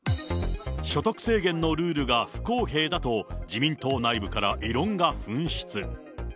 所得制限のルールが不公平だと、自民党内部から異論が噴出。